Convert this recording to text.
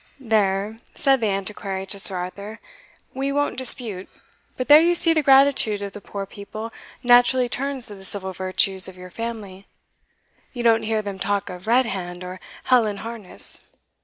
"There" said the Antiquary to Sir Arthur "we won't dispute but there you see the gratitude of the poor people naturally turns to the civil virtues of your family. You don't hear them talk of Redhand, or Hell in Harness.